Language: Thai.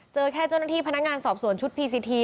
เจอแค่เจ้าหน้าที่พนักงานสอบสวนชุดพีซีที